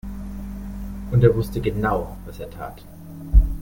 Und er wusste genau, was er tat.